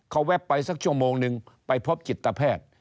เขาแวะไปสักชั่วโมงนึงไปพบจิตแพทย์